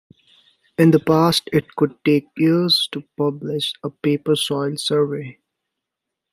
In the past it could take years to publish a paper soil survey.